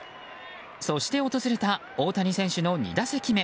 そして訪れた大谷選手の２打席目。